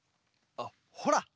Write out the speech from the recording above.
あっほら